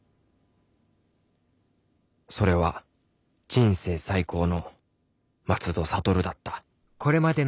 それは人生最高の「松戸諭」だったまつ